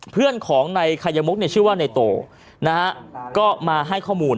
เพื่อนของนายไขมุกเนี่ยชื่อว่าในโตนะฮะก็มาให้ข้อมูล